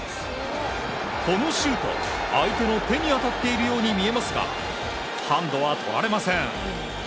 このシュート、相手の手に当たっているように見えますがハンドはとられません。